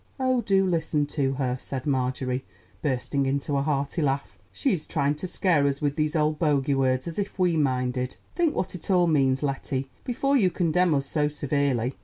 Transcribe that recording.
"Oh, do listen to her," said Marjorie, bursting into a hearty laugh. "She is trying to scare us with those old bogy words, as if we minded. Think what it all means, Lettie, before you condemn us so severely.